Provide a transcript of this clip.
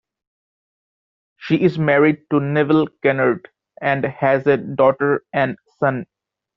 She is married to Neville Kennard and has a daughter and son.